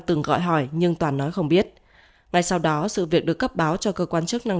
từng gọi hỏi nhưng toàn nói không biết ngay sau đó sự việc được cấp báo cho cơ quan chức năng